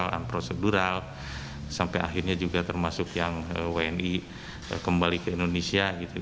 hal prosedural sampai akhirnya juga termasuk yang wni kembali ke indonesia gitu